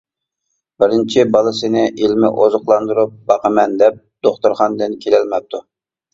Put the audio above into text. بىرىنچى بالىسىنى ئىلمى ئوزۇقلاندۇرۇپ باقىمەن دەپ دوختۇرخانىدىن كېلەلمەپتۇ.